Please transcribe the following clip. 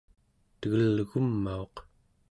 tegelgumauq